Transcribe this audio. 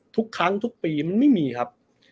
ทุกครั้งทุกปีมันไม่มีครับ